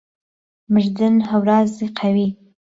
مردن ههورازی قەوی